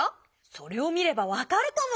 それを見れば分かるとも！